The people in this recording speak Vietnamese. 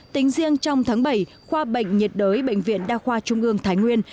tính riêng trong tháng bảy khoa bệnh nhiệt đới bệnh viện đa khoa trung ương thái nguyên